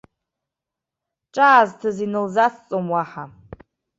Ҿаазҭыз иналзацҵом уаҳа.